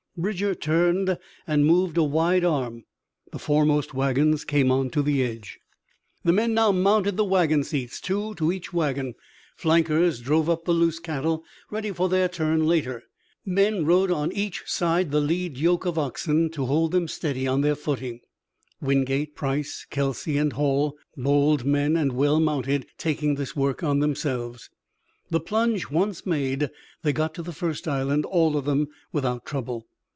Bridger turned and moved a wide arm. The foremost wagons came on to the edge. The men now mounted the wagon seats, two to each wagon. Flankers drove up the loose cattle, ready for their turn later. Men rode on each side the lead yoke of oxen to hold them steady on their footing, Wingate, Price, Kelsey and Hall, bold men and well mounted, taking this work on themselves. The plunge once made, they got to the first island, all of them, without trouble.